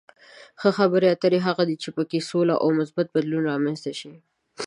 ښه خبرې اترې هغه دي چې په کې سوله او مثبت بدلون رامنځته شي.